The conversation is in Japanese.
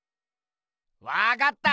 わかった！